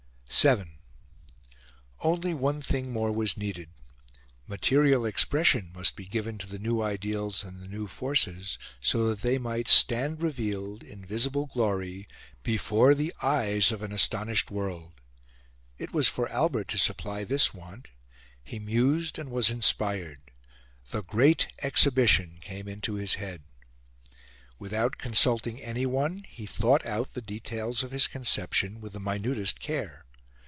VII Only one thing more was needed: material expression must be given to the new ideals and the new forces so that they might stand revealed, in visible glory, before the eyes of an astonished world. It was for Albert to supply this want. He mused, and was inspired: the Great Exhibition came into his head. Without consulting anyone, he thought out the details of his conception with the minutest care.